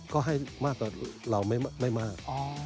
ก็ให้มากกว่าเราไม่มาก